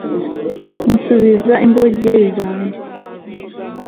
nsubiza imbogeri zanjye